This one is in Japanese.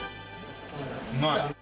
うまい！